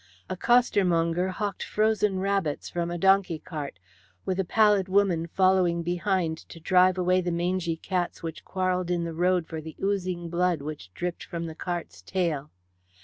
A costermonger hawked frozen rabbits from a donkey cart, with a pallid woman following behind to drive away the mangy cats which quarrelled in the road for the oozing blood which dripped from the cart's tail.